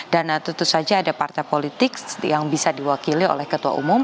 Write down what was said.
dan tentu saja ada partai politik yang bisa diwakili oleh ketua umum